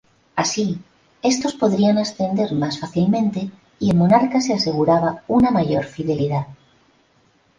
Así estos podrían ascender más fácilmente y el monarca se aseguraba una mayor fidelidad.